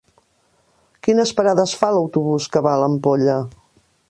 Quines parades fa l'autobús que va a l'Ampolla?